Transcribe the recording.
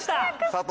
佐藤